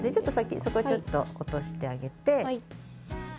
そこちょっと落としてあげて。